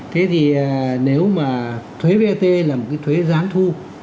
thế thì nếu mà thuế vat là một cái thuế gián thu